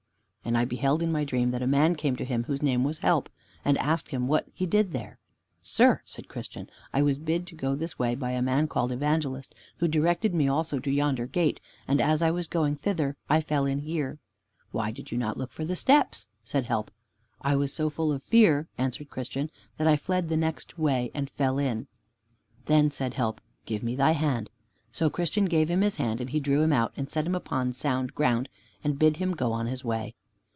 And I beheld in my dream that a man came to him, whose name was Help, and asked him what he did there. "Sir," said Christian, "I was bid to go this way by a man called Evangelist, who directed me also to yonder gate, and as I was going thither I fell in here." "Why did you not look for the steps?" said Help. "I was so full of fear," answered Christian, "that I fled the next way and fell in." Then said Help, "Give me thy hand." So Christian gave him his hand, and he drew him out and set him upon sound ground, and bid him go on his way.